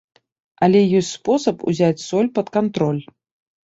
Але ёсць спосаб узяць соль пад кантроль.